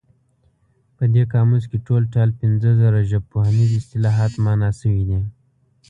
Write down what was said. په دې قاموس کې ټول ټال پنځه زره ژبپوهنیز اصطلاحات مانا شوي دي.